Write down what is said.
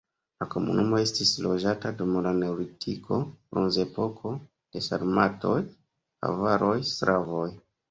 La komunumo estis loĝata dum la neolitiko, bronzepoko, de sarmatoj, avaroj, slavoj.